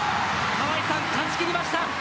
川合さん、勝ち切りました。